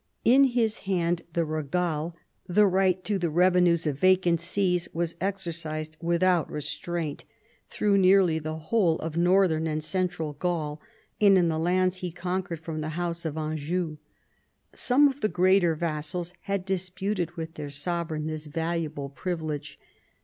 In his hand the regale, the right to the revenues of vacant sees, was exercised without restraint through nearly the whole of northern and central Gaul, and in the lands he conquered from the house of Anjou. Some of the greater vassals had disputed with their sovereigns this valuable privilege.